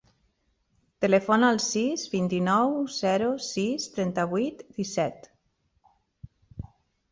Telefona al sis, vint-i-nou, zero, sis, trenta-vuit, disset.